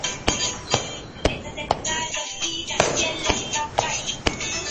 Varios miles de objetos de bronce, jade, piedra, hueso y cerámica se obtuvieron.